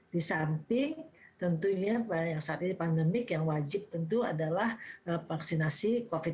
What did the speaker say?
disamping tentunya saat ini pandemik yang wajib tentu adalah vaksinasi covid sembilan belas